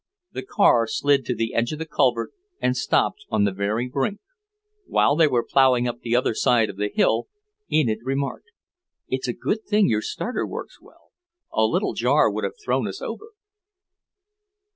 The car slid to the edge of the culvert and stopped on the very brink. While they were ploughing up the other side of the hill, Enid remarked; "It's a good thing your starter works well; a little jar would have thrown us over."